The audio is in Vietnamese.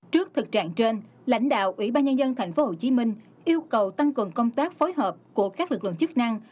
trước thực trạng trên lãnh đạo ủy ban nhân dân tp hcm yêu cầu tăng cường công tác phối hợp của các lực lượng chức năng